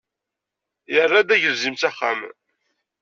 Yerra-d agelzim s axxam.